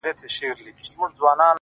ښــه دى چـي پــــــه زوره سـجــده نه ده!